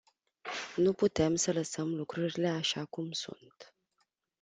Nu putem să lăsăm lucrurile așa cum sunt.